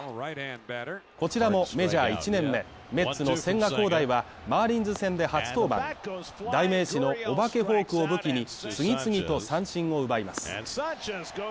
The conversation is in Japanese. こちらもメジャー１年目、メッツの千賀滉大はマーリンズ戦で初登板し、代名詞のお化けフォークを武器に次々と三振を奪います。